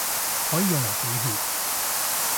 可以用嚟止血